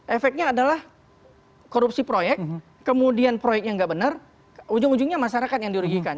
efeknya adalah korupsi proyek kemudian proyeknya nggak benar ujung ujungnya masyarakat yang dirugikan